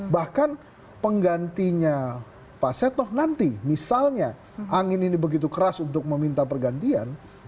bahkan penggantinya pak setnov nanti misalnya angin ini begitu keras untuk meminta pergantian